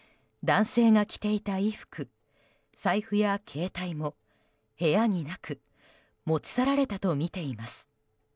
男性が着ていた衣服財布や携帯も部屋になく持ち去られたとみています。